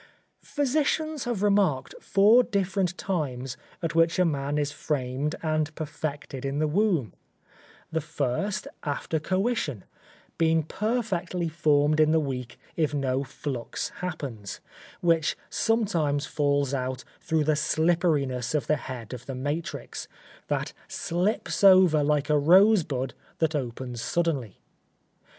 Physicians have remarked four different times at which a man is framed and perfected in the womb; the first after coition, being perfectly formed in the week if no flux happens, which sometimes falls out through the slipperiness of the head of the matrix, that slips over like a rosebud that opens suddenly.